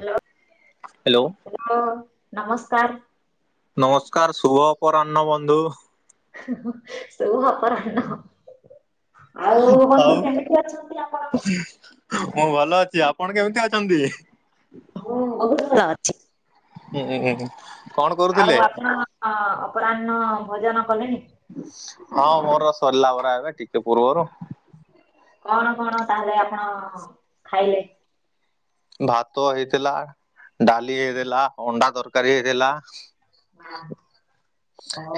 Hello. Hello. Hello ନମସ୍କାର। ନମସ୍କାର ଶୁଭ ଅପରାହ୍ନ ବନ୍ଧୁ। ହୁ ହୁ ଶୁଭ ଅପରାହ୍ନ। ଆଉ ବନ୍ଧୁ କେମିତି ଅଛନ୍ତି ଆପଣ। ହୁଁ ମୁଁ ଭଲ ଅଛି ଆପଣ କେମିତି ଅଛନ୍ତି। ମୁଁ ବହୁତ ଭଲ ଅଛି। ଏ ଏ ଏ ଏ ଆଉ ଆପଣ ଅପରାହ୍ନ ଭୋଜନ କଲେଣି? ହଁ ମୋର ସରିଲା ପରା ଏବେ ଟିକେ ପୂର୍ବରୁ କଣ କଣ ତାହେଲେ ଆପଣ ଖାଇଲେ? ଭାତ ହେଇଥିଲା ଡାଲି ହେଇଥିଲା ଅଣ୍ଡା ତରକାରୀ ହେଇଥିଲା ହଁ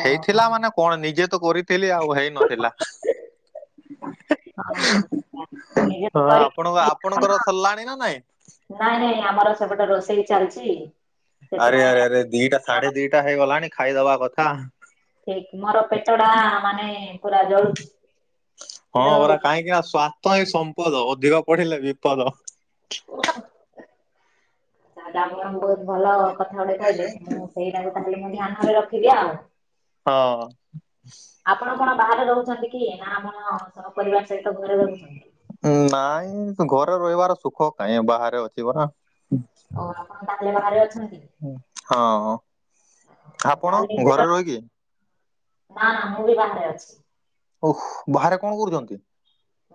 ହେଇଥିଲା ମାନେ କଣ ନିଜେ ତ କରିଥିଲି ଆଉ ହେଇନଥିଲା। ନିଜେ ହଁ ଆପଣଙ୍କ କରିକି ଆପଣ? ଆପଣଙ୍କର ସରିଲାଣି ନା ନାଇଁ? ନାଇଁ ନାଇଁ ଆମର ସେପଟେ ରୋଷେଇ ଚାଲିଛି ଆରେ ସେଥିପାଇଁ ଆରେ ଆରେ ଦିଟା ମୋର ସାଢେ ଦିଟା ହେଇଗଲାଣି ଖାଇଦବା କଥା ଠିକ ମୋର ପେଟଟା ମାନେ ପୁରା ଜଳୁଛି କିନ୍ତୁ ଆଜ୍ଞା ସ୍ବା ତ ଏ ସମ୍ପଦ ଅଧିକ ପଢିଲେ ବିପଦ ଓ ହୋ ତାଲେଲେ ମ୍ୟାମ୍ ବହୁ ଭଲ କଥା ଗୋଟେ କହିଲେ ମୁଁ ସେଇଟା ତାହେଲେ ମୁଁ ଧ୍ୟାନରେ ରଖିବି ଆଉ ହଁ ଆପଣ କଣ ବାହାରେ ରହୁଛନ୍ତି କି ନା ଆପଣ ସହପରିବାର ସହିତ ଘରେ ରହୁଛନ୍ତି? ନାଇଁ ଘରେ ରହିବାର ସୁଖ କାଇଁ ବାହାରେ ଅଛି ପରା ଓ ଆପଣ ତାହାଲେ ବାହାରେ ଅଛନ୍ତି ହୁଁ ହଁ ଓ, ଆପଣ ତାହେଲେ ନିଜର ଘରେ ରହିକି ନା ନା ମୁଁ ବି ବାହାରେ ଅଛି ଓହୋ ବାହାରେ କଣ କରୁଛନ୍ତି?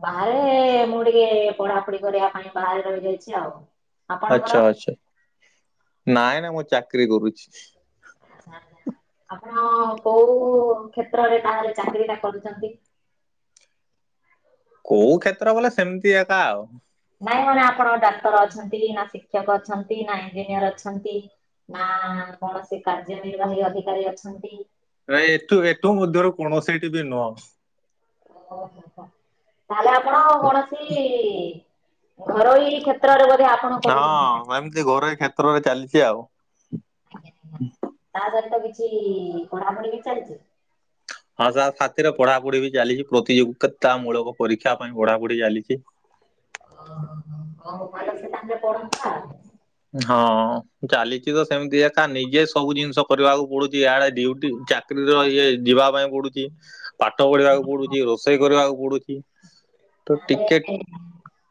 ବାହାରେ ମୁଁ ଟିକେ ପଢାପଢି କରିବା ପାଇଁ ବାହାରେ ରହିଯାଇଛି ଆଉ ଆପଣଙ୍କର? ଆଚ୍ଛା ଆଚ୍ଛା ନାଇଁ ନା ମୁଁ ଚାକିରୀ କରୁଛି। ଆଚ୍ଛା ଆଚ୍ଛା ଆପଣ କୋଉ କ୍ଷେତ୍ରରେ ତାହେଲେ ଚାକିରିଟା କରୁଛନ୍ତି? କୋଉ କ୍ଷେତ୍ର ବଲେ ସେମିତି ଏକା ଆଉ ନାଇଁ ମାନେ ଆପଣ ଡାକ୍ତର ଅଛନ୍ତି ନା ଶିକ୍ଷକ ଅଛନ୍ତି ନା ଇଞ୍ଜିନିୟର ଅଛନ୍ତି ନା କୌଣସି କାର୍ଯ୍ୟ ନିର୍ବାହୀ ଅଧିକାରୀ ଅଛନ୍ତି ନାଇଁ ଏଠୁ ଏଠୁ ମଧ୍ୟରୁ କୌଣସିଠି ବି ନୁହଁ। ଓ ହୋ ହୋ ହୋ ତାହେଲେ ଆପଣ କୌଣସି ଘରୋଇ କ୍ଷତ ରରେ ବଧେ ଆପଣ ହଁ କରୁଛନ୍ତି। ଏମିତି ଘରୋଇ କ୍ଷେତ୍ରରେ ଚାଲିଛି ଆଉ ଆଜ୍ଞା ଆଜ୍ଞା ତା ସହିତ କିଛି ପଢ଼ାପଢ଼ି ବି ଚାଲିଛି। ହଁ ତା ସାଥିରେ ପଢାପଢି ବି ଚାଲିଛି ପ୍ରତିଯୋଗିତା ମୂଳକ ପରୀକ୍ଷା ପାଇଁ ପଢାପଢି ଚାଲିଛି। ଓ ହୋ ହୋ କଉ ଉପାୟ ସେ ପଢନ୍ତା ହଁ ଚାଲିଛି ତ ସେମିତି ଏକା ନିଜେ ସବୁ ଜିନିଷ କରିବାକୁ ପଡୁଛି ଇଆଡେ ଡ୍ୟୁଟି ଚାକିରି ଯିବା ପାଇଁ ପଡୁଛି। ପାଠ ପଢିବାକୁ ପଡୁଛି ରୋଷେଇ କରିବାକୁ ପଡୁଛି ତ ତାହେଲେ ଟିକେ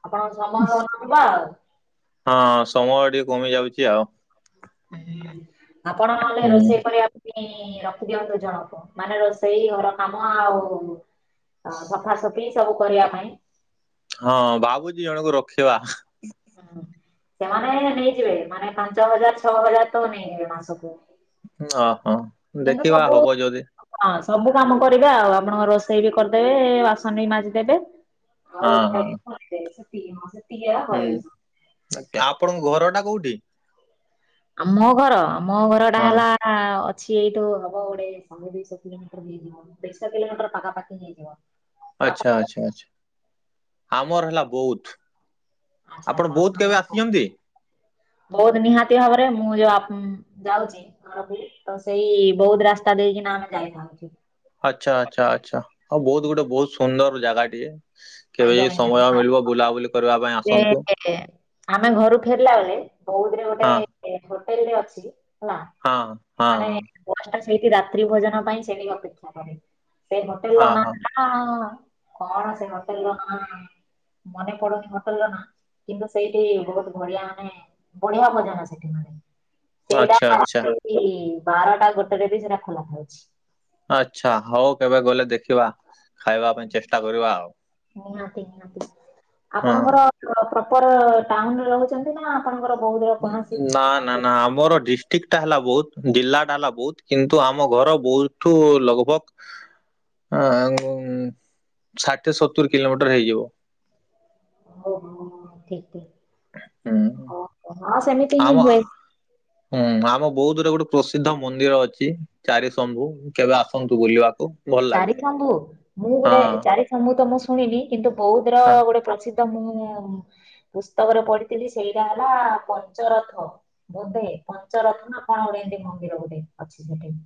ଆପଣଙ୍କ ସମୟ ହଉ ନ ଥିବ ଆଉ ହଁ ସମୟ ଟିକେ କମି ଯାଉଛି ଆଉ ହୁଁ ନହଲେ ହୁଁ ରୋଷେଇ କରିବା ରଖିଦିଅନ୍ତୁ ଜଣକୁ ମାନେ ରୋଷେଇ ଘର କାମ ଆଉ ହଁ ସଫାସଫି ସବୁ କରିବା ପାଇଁ ହଁ ଭାବୁଛି ଜଣଙ୍କୁ ରଖିବା ହୁଁ ସେମାନେ ନେଇଯିବେ ମାନେ ପାଞ୍ଚ ହଜାର ଛଅ ହଜାର ତ ନେଇଯିବେ ମାସକୁ ଓହୋ କିନ୍ତୁ ଦେଖିବା ସବୁ ହବ ଯଦି ହଁ ସବୁ କାମ କରିବେ ଆଉ ଆପଣଙ୍କ ରୋଷେଇ ବି କରିଦେବେ ବାସନ ବି ମାଜିଦେବେ ହଁ ଆଉ ହଁ ଖାଇ [unintelligible] କରିବେ ସେ। ହୁଁ ଆପଣଙ୍କ ଘର ଟା କୋଉଠି? ଆ ମୋ ଘର ମୋ ଘର ଟା ହଁ ହେଲା ହା ଅଛି ଏଇଠୁ ହବ ଗୋଟେ ଶହେ ଦୁଇଶହ କିଲମିଟର। ଦୁଇଶହ କିଲୋମିଟର ପାଖାପାଖି ହେଇଯିବ। ଆପଣ ଆଚ୍ଛା ଆଚଛା ଆଛା ଆମର ହେଲା ବହୁତ ଆଚ୍ଛା ଆଚ୍ଛା ଆପଣ ବହୁତ କେବେ ଆସିଛନ୍ତି? ବହୁତ ନିହାତି ଭାବରେ ମୁଁ ଯୋଉ ଆପ୍ ଯାଉଛି। ତ ସେଇ ବହୁତ ରାସ୍ତା ଦେଇକିନା ଆମେ ଯାଇଥାଉଛୁ। ଆଚ୍ଛା, ଆଚ୍ଛା, ଆଚ୍ଛା ଆଉ ବହୁତ ଗୋଟେ ବହୁତ ସୁନ୍ଦର ଜାଗା ଟିଏ କେବେ ଯେ ସମୟ ମିଳିବ ବୁଲାବୁଲି କ ଯେ ଆମେ ଘରୁ ଫେରିଲା ବେଳେ, ବୌଧରେ ଗୋଟେ ହଁ ହୋଟେଲ ଟେ ଅଛି। ହେଲା ହଁ ହଁ ମାନେ ହଁ ବଡ ଟା ସେଇଠି ରାତ୍ରି ଭୋଜନ ପାଇଁ ସେଠି ଅପେକ୍ଷା କରେ। ସେଇ ହୋଟେଲ ର ହଁ ନାଟା? ହଁ, କଣ ସେ ହୋଟେଲ ର ନାଁ, ମନେ ପଡୁନି ମୋର। ହୋଟେଲର ନା କିନ୍ତୁ ସେଇଠି ବହୁତ ବଢିଆ ମାନେ, ବଢିଆ ଭୋଜନ ସେଠି ମାନେ। ସେଇଟା ଆଚ୍ଛା ଆଚ୍ଛା ରାତି ବାରଟା ଗୋଟେ ରେ ବି ସେଇଟା ଖୋଲା ହଉଛି। ଆଚ୍ଛା, ହଉ କେବେ ଗଲେ ଦେଖିବା, ଖାଇବା ପାଇଁ ଚେଷ୍ଟା କରିବା ଆଉ। ନିହାତି, ନିହାତି, ନିହାତି ହଁ। ଆପଣଙ୍କର କଣ ପ୍ରପର ଟାଉନରେ ରହୁଛି। କେମିତି କଣ ଆପଣଙ୍କର ବୋହୁ ଦେହ? ଓଁ ନା, ନା। ନା ଆମର ଡିଷ୍ଟ୍ରିକ୍ଟଟା ହେଲା ବହୁତ, ଜିଲ୍ଲା ଟା ହେଲା ବହୁତ, କିନ୍ତୁ ଆମ ଘର ବହୁତଠୁ ଲଗବ୍ ଆ ଓଁ ଷାଠିଏ ସତୁରି କିଲୋମିଟର ହେଇଯିବ। ହଉ ହଉ ଠିକ ଠିକ। ହୁଁ, ଓହୋ ହଁ ସେମିତି ହିଁ ଆମ ହୁଏ ହୁଁ, ଆମ ବୌଦ୍ଧରେ ଗୋଟେ ପ୍ରସିଦ୍ଧ ମନ୍ଦିର ଅଛି, ଚାରିଶମ୍ଭୁ। କେବେ ଆସନ୍ତୁ ବୁଲିବାକୁ। ଭଲ ଲାଗେ ଚାରିଗ୍ରାମ୍ଭୁ, ମୁଁ ହଁ ଗୋଟେ ଚାରିସମ୍ଭୁ ତ ମୁଁ ଶୁଣିଲି କିନ୍ତୁ ବୌଦ୍ଧର ହଁ ଗୋଟେ ପ୍ରସି ତ ମୁଁ ପୁସ୍ତକରେ ପଢିଥିଲି, ସେଇଟା ହେଲା ପଞ୍ଚରଥ। ବୋଧେ ପଞ୍ଚରଥ ନା କଣ ଗୋଟେ ଏମତି ମନ୍ଦିର ଗୋଟେ ଅଛି ସେଠି।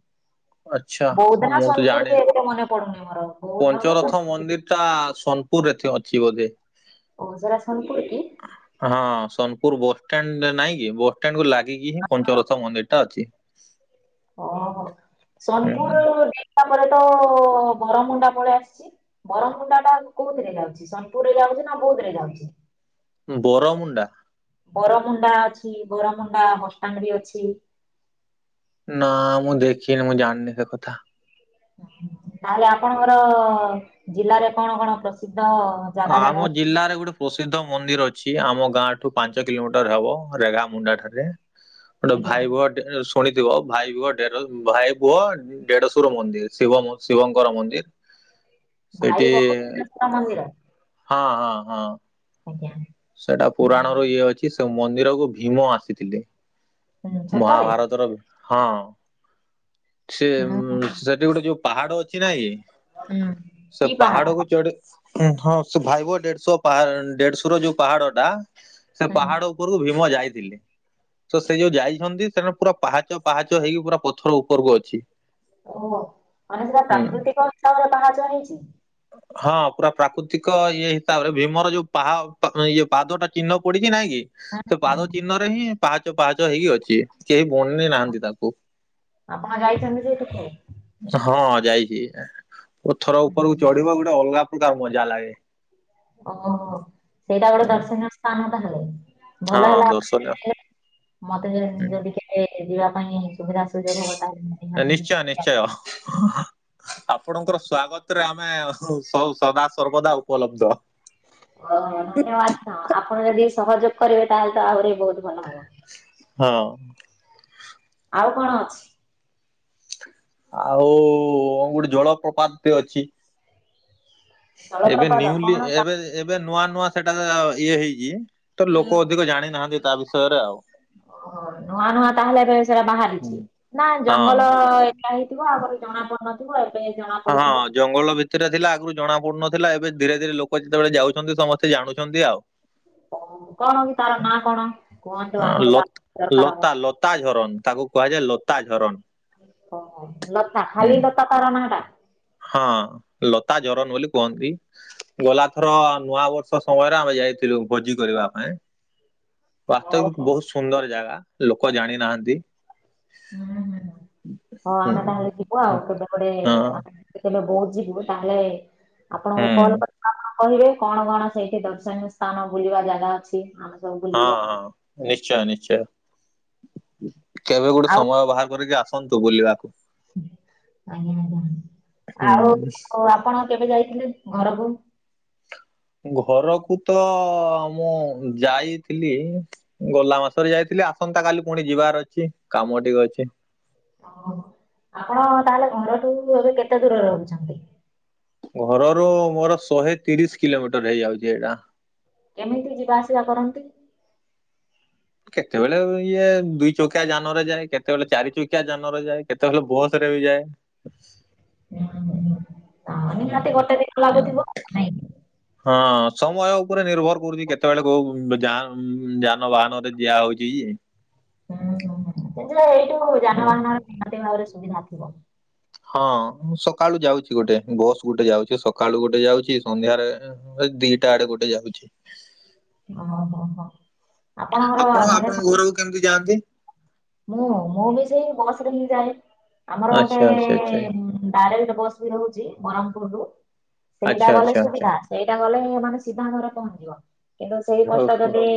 ଆଚ୍ଛା ବୌଦ୍ଧନା ମୁଁ ତ ସୋନପୁର ଜାଣିନି କିଏ ଗୋଟେ ମନେ ପଡୁନି ମୋରଆଉ। ପଞ୍ଚରଥ ମନ୍ଦିର ଟା ସୋନପୁରରେ ଥି ଅଛି ବୋଧେ। ଓ ସେରା ସୋନପୁରୁ କି? ହଁ, ସୋନପୁର ବସ୍ ଷ୍ଟାଣ୍ଡ ଟେ ନାଇଁ କି, ବସ୍ ଷ୍ଟାଣ୍ଡ କୁ ଲାଗି ଲାଗିକି ହିଁ ପଞ୍ଚରଥ ମନ୍ଦିର ଟା ଅଛି। ଓହୋ, ହୁଁ। ସୋନପୁର ଦୀପା ପରେ ତ ବରମୁଣ୍ଡା ପଳେଇ ଆସିଛି। ବରମୁଣ୍ଡା ଟା କୋଉଥିରେ ଯାଉଛି, ସୋନପୁରରେ ଯାଉଛି ନା ବୌଦ୍ଧ ରେ ଯାଉଛି? ବର ମୁଣ୍ଡା। ବରମୁଣ୍ଡା ଅଛି, ବରାମୁଣ୍ଡା ବସଷ୍ଟାଣ୍ଡ ବି ଅଛି। ନା ମୁଁ ଦେଖିନି, ମୁଁ ଜାଣିନି ସେ କଥା। ତାହେଲେ ଆପଣଙ୍କର ଜିଲ୍ଲାରେ କଣ କଣ ପ୍ରସିଦ୍ଧ? ଜାଗା ଆମ ଯାକ ଅଛି? ଜିଲ୍ଲାରେ ଗୋଟେ ପ୍ରସିଦ୍ଧ ମନ୍ଦିର ଅଛି, ଆମ ଗାଁ ଠୁ ପାଞ୍ଚ କିଲୋମିଟର ହେବ, ରେଗା ମୁଣ୍ଡା ଠାରେ। ଗୋଟେ ଆଜ୍ଞା ଭାଇ ଭୋଅ ଶୁଣିଥିବ ଭାଇ ଭଅ ଡେର ଭାଇ ଭୁଅ ଦେଢଶୁ ର ମନ୍ଦିର୍ ଶିବ ଶିବଙ୍କର ମନ୍ଦିର୍ ଭାଇ ବଣେଶ୍ୱଵର ମନ୍ଦିର [unintelligible] ହଁ ହଁ ହଁ ଓ [unintelligible] ସେଟା ପୁରାଣ ର ଇଏ ଅଛି ସେ ମନ୍ଦିରକୁ ଭୀମ ଆସିଥିଲେ ହୁଁ ସତରେ ମହାଭାରତର ହଁ ସେ ହୁଁ ଉଁ ସେଠି ଗୋଟେ ଯୋଉ ପାହାଡ ଅଛି ନାଇଁ ହୁଁ କି କି ସେ ପାହାଡ ପାହାଡକୁୁ ଚଢ ହୁଁ ହଁ ସେ ଭାଇବ ଦେଢଶ ପାହା ଦେଢଶ ର ଯୋଉ ପାହାଡ ଟା ସେ ହୁଁ ପାହାଡ ଉପରକୁ ଭୀମ ଯାଇଥିଲେ ତ ସେ ଯୋଉ ଯାଇଛନ୍ତି ସେଠ ପୁରା ପାହାଚ ପାହାଚ ହେଇକି ପୁରା ପଥର ଉପରକୁ ଅଛି ଓହୋ ମାନେ ସେଟା ହୁଁ ପ୍ରାକୃତିକ ଉସରେ ପାହାଚ ହେଇଛି ହଁ ପୁରା ପ୍ରାକୃତିକ ଇଏ ହିସାବରେ ଭୀମର ଯୋଉ ପାହ ତ ଇଏ ପାଦ ଟା ଚିହ୍ନ ପଡିଛି ନାଇଁ କି ହୁଁ ସେ ପାଦ ହୁଁ, ଚିହ୍ନରେ ହିଁ ପାହାଚ ପାହାଚ ହେଇକି ଅଛି କେହି ବନେ ନାହାନ୍ତି ତାକୁ ଆପଣ ଯାଇଛନ୍ତି ସେଇଠିକୁ ହଁ ଯାଇଛି ପଥର ଉପରକୁ ଚଢିବ ଗୋଟେ ଅଲଗା ପ୍ରକାର ମଜା ଲାଗେ ଓହୋ ସେଇଟା ଗୋଟେ ହୁଁ, ଦର୍ଶନୀୟ ସ୍ଥାନ ତାହେଲେ ହଁ ଭଲ ହେଲା ଦର୍ଶନୀୟ କି ମତେ ଯ ହୁଁ। ଯଦି କେବେ ଯିବା ପାଇଁ ସୁବିଧା ସୁଯୋଗ ହୁଅନ୍ତା ନିଶ୍ଚୟ ନିଶ୍ଚୟ ଆପଣଙ୍କର ସ୍ଵାଗତ ରେ ଆମେ ଅସୁ ସଦା ସର୍ବଦା ଉପଲବ୍ଧ ଓହୋ ଧନ୍ୟବାଦ ଆଁ ଆପଣ ଯଦି ସହଯୋଗ କରିବେ ତାହେଲେ ତ ଆହୁରି ବହୁତ ଭଲ ହ ହଁ ଆଉ କଣ ଅଛି ଆଉ ଗୋଟେ ଜଳପ୍ରପାତ ଟେ ଅଛି ଏବେ ଜଳପ୍ରପାତ ନ୍ୟୁଲି କଣ ତା ଏବେ ଏବେ ନୂଆ ନୂଆ ସେଟା ଆ ଇଏ ହେଇଛି ତ ଲୋକ ଅଧିକ ଜାଣିନାହାନ୍ତି ତା ବିଷୟରେ ଆଉ ଓହୋ ନୂଆ ନୂଆ ତାହେଲେ ଏବେ ସେଟା ହଁ। ବାହାରିଛି ନା ଜଙ୍ଗଲ ହଁ ଲା ହେଇଥିବ ଆଗରୁ ଜଣା ପଡନଥିବ ଏବେ ଜଣା ହଁ ପଡିଥିବ ଜଙ୍ଗଲ ଭି ଥିରେ ଥିଲା ଆଗରୁ ଜଣା ପଡୁନଥିଲା ଏବେ ଧୀରେ ଧୀରେ ଲୋକ ଯେତେବେଳେ ଯାଉଛନ୍ତି ସମସ୍ତେ ଜାଣୁଛନ୍ତି ଆଉ ଅ କଣ କି ତାର ନାଁ କଣ କୁହନ୍ତୁ ଅ ଆମକୁ ଲ ତା ଦରକାର ହବ। ଲତା ଲତା ଝରନ୍ ତାକୁ କୁହାଯାଏ ଲତା ଝରନ୍ ଓହୋ ଲତା ହୁଁ, ଖାଲି ଲତା ତାର ନା ଟା ହଁ ଲତା ଜରନ୍ ବୋଲି କୁହନ୍ତି ଗଲାଥର ନୂଆ ବର୍ଷ ସମୟରେ ଆମେ ଯାଇଥିଲୁ ଭୋଜି କରିବା ପାଇଁ ଓହୋ ବାସ୍ତବ ହୁଁ ବହୁତ ସୁନ୍ଦର ଜାଗା ଲୋକ ଜାଣିନାହାନ୍ତି ହୁଁ ହୁଁ ହଉ ହୁଁ ଆମେ ତାହେଲେ ଯିବୁ ଆଉ କେବେେ କୋଟେ ହଁ କେତେବେଳେ ବଉ ଯିବୁ ତାହେଲେ ଆପଣଙ୍କୁ ହୁଁ କଲ୍ କ ଆପଣ କହିବେ କଣ କଣ ସେଇଠି ଦର୍ଶନୀୟ ସ୍ଥାନ ବୁଲିବା ଜାଗା ଅଛି ଆ ହଁ ହଁ ନିଶ୍ଚୟ ନିଶ୍ଚୟ କେବେ ଗୋଟେ ଆଉ ସମୟ ବାହାର କରିକି ଆସ ହନ୍ତୁ ବୁଲି ବାକୁ ଆଜ୍ଞା ଆଜ୍ଞା ହୁଁ ଆଉ ଆପଣ କେବେ ଯାଇଥିଲେ ଘରକୁ ଘରକୁ ତ ମୁଁ ଯାଇଥିଲି ଗଲା ମାସରେ ଯାଇଥିଲି ଆସନ୍ତା କାଲି ପୁଣି ଯିବାର ଅଛି କାମ ଟିକେ ଅଛି। ଓ ଆପଣ ତାହେଲେ ଘରଠୁ ଏବେ କେତେ ଦୂରରେ ରହୁଛନ୍ତି? ଘରରୁ ମୋର ଶହେ ତିରିଶ କିଲୋମିଟର ହେଇଯାଉଛି ଏଇଟା। କେମିତି ଯିବା ଆସିବା କରନ୍ତି? କେତେବେଳେ ଇଏ ଦୁଇ ଚକିଆ ଯାନରେ ଯାଏ, କେତେବେଳେ ଚାରି ଚକିଆ ଯାନରେ ଯାଏ, କେତେବେଳେ ବସ ରେ ବି ଯାଏ। ହ ହୁଁ, ହୁଁ। ନାଇଁ ହଁ ସମୟ ଉପରେ ନିର୍ଭର କରୁଛି କେତେବେଳେ କୋଉ ଯାନ ଯାନବାହାନରେ ଦିଆ ହଉଛି ଯେ, ହୁଁ ହୁଁ ଏଯେ ଏଯଉ ହୁଁ। ଯାନବାହାନରେ [unintelligible] ଭାବରେ ସୁବିଧା ଥିବ। ହଁ ସକାଳୁ ଯାଉଛି ଗୋଟେ ବସ୍ ଗୋଟେ ଯାଉଛି, ସକାଳୁ ଗୋଟେ ଯାଉଛି। ସନ୍ଧ୍ୟାରେ ଦିଟା ଆଡେ ଗୋଟେ ଯାଉଚି। ହଁ, ହଁ, ହଁ। ଆପଣ ଆପଣଙ୍କ ଘରକୁ କେମିତି ଯାଆନ୍ତି? ମୁଁ ମୁଁ ବି ସେଇ ବସ ରେ ହିଁ ଯାଏ। ଆମର ଗୋଟେ ଆଚ୍ଛା ଆଚ୍ଛା ଆଚ୍ଛା ଡାଇରେକ୍ଟ ବସ୍ ବି ରହୁଛି ବ୍ରହ୍ମପୁର ରୁ ଆଚ୍ଛା ସେଇଟା ଗଲେ ଆଚ୍ଛା ଆଚ୍ଛା ସୁବିଧା। ସେଇଟା ଗଲେ ମାନେ ସିଧା ଘରେ ପହଞ୍ଚିବ। କିନ୍ତୁ ସେଇ ବସଟା ଓହୋ ଯଦି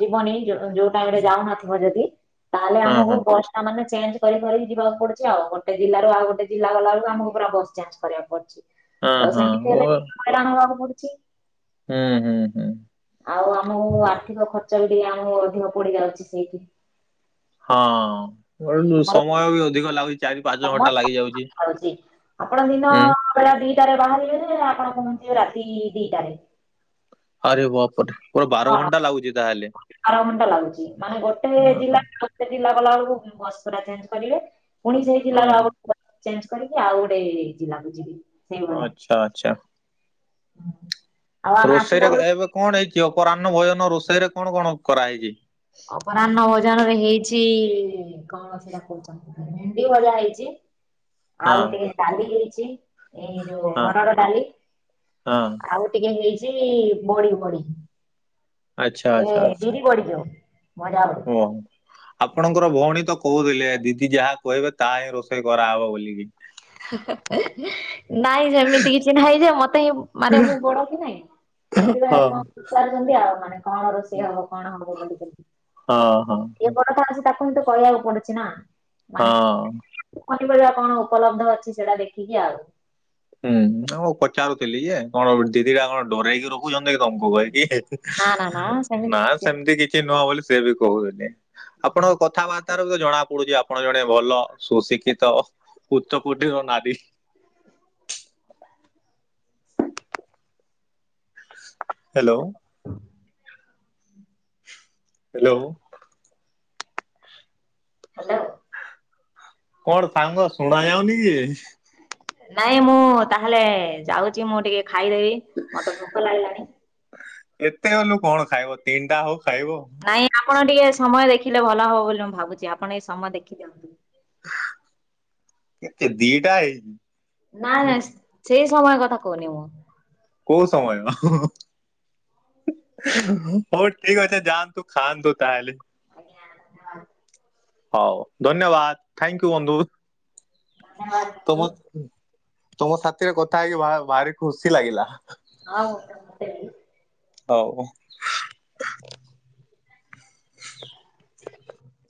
ଯିବନି ଯୋଉ ଟାଇମ ରେ ଯାଉନଥିବ ଯଦି ତାହେଲେ ହଁ ଆମକୁ ହଁ ବସ ତା ମାନେ ଚେଞ୍ଜ କରିି କରି ଯିବାକୁ ପଡୁଛି ଆଉ। ଗୋଟେ ଜିଲ୍ଲା ରୁ ଆଉ ଗୋଟେ ଜିଲ୍ଲା ଗଲାବେଳକୁ ଆମକୁ ପୁରା ବସ୍ ଚେଞ୍ଜ କରିବାକୁ ପଡୁଛି। ହଁ ତ ହଁ ସେମିତି ଓ ହେଲେ ଟିକେ ହଇରାଣ ହବାକୁ ପଡୁଛି। ହୁଁ, ହୁଁ, ହୁଁ। ଆଉ ଆମକୁ ଆର୍ଥିକ ଖର୍ଚ୍ଚ ବି ଟିକେ ଆମକୁ ଅଧିକ ପଡି ଯାଉଛି ସେଇଠି। ହଁ [unintelligible] ସମୟ ବି ଅଧିକ ଲାଗୁଛି। ଚାରି ପାଞ୍ଚ ଘଣ୍ଟା ତମର - ଲାଗିଯାଉଛି କଣ ଅଛି। ଆପଣ ଦିନ ହୁଁ ପୁରା ଦିଟାରେ ବାହାରିବେ ଯେ, ଆପଣ ପହଞ୍ଚିବେ ରାତି ଦିଟାରେ। ଆରେ ବାପରେ। ପୁରା ବାର ହଁ, ଘଣ୍ଟା ଲାଗୁଛି ତାହେଲେ ବାର ଘଣ୍ଟା ଲାଗୁଛି। ମାନେ ଗୋଟେ ହଁ ହଁ ହଁ। ଜିଲ୍ଲାରୁ ଜିଲ୍ଲା ଗଲା ବେଳକୁ ବସ ପୁରା ଚେଞ୍ଜ କରିବେ। ପୁଣି ସେଇ ଜିଲ୍ଲା ରୁ ହଁ। ଆଉ ଚେଞ୍ଜ କରିକି ଆଉ ଗୋଟେ ଜିଲ୍ଲାକୁ ଯିବି ସେଇ ଭଳିଆ। ଆଚ୍ଛା ଆଚ୍ଛା ହଁ ରୋଷେଇରେ ଏବେ କଣ ହେଇଛି ଅପରାହ୍ନ ଭୋଜନ ରୋଷେଇ ରେ କଣ କଣ କରାହେଇଛି? ଅପରାହ୍ନ ଭୋଜନ ରେ ହେଇଛି କଣ ସେଇଟା କହୁଛନ୍ତି ଭେଣ୍ଡି ଭଜା ହେଇଛି। ଆଉ ହଁ ଟିକେ ଡାଲି ହେଇଛି। ଏଇ ଯୋଉ ହଁ ହରଡ ଡାଲି, ହଁ ଆଉ ଟିକେ ହେଇଛି ବଡି, ବଡି। ଆଚ୍ଛା ସେ ବିରି ବଡି ଯୋଉ ଭଜ ବଡି। ହଁ। ଆପଣଙ୍କର ଭଉଣୀ ତ କହୁଥିଲେ ଦିଦି ଯାହା କହିବେ ତାହା ହିଁ ରୋଷେଇ କରାହେବ ବୋଲି। ନାଇଁ ଯେମିତି କିଛି ନାହିଁ ଯେ ମତେ ହିଁ ମାନେ ମୁଁ ବଡ କି ନାଇଁ ସେଥିପାଇଁ ହଁ କଣ ପଚାରୁଛନ୍ତି ଆଉ ମାନେ କଣ ରୋଷେଇ ହବ କଣ ହବ ବୋଲିକି। ହଁ, ହଁ, ହଁ। କଣଟେ କହିଆକୁ ପଡୁଚୁ ନା। ମାନେ ହଁ। ପନିପରିବା କଣ ଉପଲବ୍ଧ ଅଛି ସେଇଟା ଦେଖିକି ଆଉ। ହୁଁ ଆଉ ମୁଁ ପଚାରୁଥିଲି ଯେ, କଣ ଦିଦିଟା କଣ ଡରେଇକି ର କହୁଛନ୍ତି କି ନା ନା ନା ତମକୁ? ସେମିତି ନା କିଛି ସେମିତି କିଛି ନୁହଁ ବୋଲି ସେ ବି କହୁଥିଲେ। ଆପଣଙ୍କ କଥାବା ର୍ତ୍ତାରୁ ତ ଜଣା ପଡୁଚି ଆପଣ ଜଣେ ଭଲ ସୁଶିକ୍ଷିତ ଉଚ୍ଚ କୋଟିର ନାରୀ। ହେଲୋ। ହଁ ହେଲୋ। ହାଲୋ। କଣ ସାଙ୍ଗ ଶୁଣା ଯାଉନି କି? ନାଇଁ ମୁଁ ତାହେଲେ ଯାଉଚି ମୁଁ ଟିକେ ଖାଇଦେବି ମତେ ଭୋକ ଲାଗିଲାଣି। ଏତେ ବୋଲୁ କଣ ଖାଇବ? ତିନଟା ହଉ ଖାଇବଉ। ନାଇଁ ଆପଣ ଟିକେ ସମୟ ଦେଖିଲେ ଭଲ ହବ ବୋଲି ମୁଁ ଭାବୁଛି, ଆପଣ ଏଇ ସମୟ ଦେଖି ଦିଅନ୍ତୁ। କେତେ? ଦିଟା ହେଇ। ନାଇଁ ନାଇଁ ସେଇ ସମୟ କଥା କୋଉନି ମୁଁ। କୋଉ ସମୟ? ଅହହହ। ହଉ ଠିକ୍ ଅଛେ ଯାଆନ୍ତୁ ଖାଆନ୍ତୁ ତାହେଲେ। ଆଜ୍ଞା ଧନ୍ୟବାଦ ହଉ ଧନ୍ୟବାଦ୍, ଥାଙ୍କୟୁ ବନ୍ଧୁ। ଧନ୍ୟବାଦ ବନ୍ଧୁ। ତମ ତମ ସାଥିରେ କଥା ହେଇକି ଭା ଭାରି ଖୁସି ଲାଗିଲା। ହଉ ତ ସେ [inaudible] ହଉ। ଉଁହୁଁ ହ